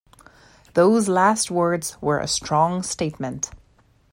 Those last words were a strong statement.